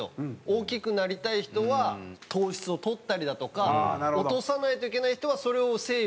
大きくなりたい人は糖質を取ったりだとか落とさないといけない人はそれをセーブしたりとか。